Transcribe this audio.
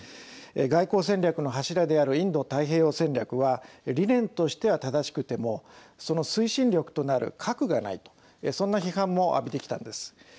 外交戦略の柱であるインド太平洋戦略は理念としては正しくてもその推進力となる核がないとそんな批判も浴びてきたんです。